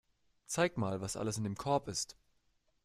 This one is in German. Zeig mal, was alles in dem Korb ist.